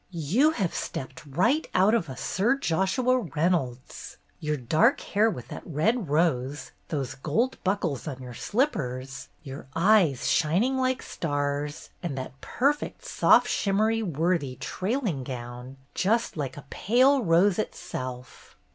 "You have stepped right out of a Sir Joshua Reynolds! Your dark hair with that red rose, those gold buckles on your slippers, your eyes shining like stars, and that perfect soft shimmery Worthy trailing gown, just like a pale rose itself!